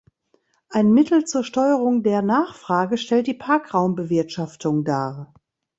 Ein Mittel zur Steuerung der Nachfrage stellt die Parkraumbewirtschaftung dar.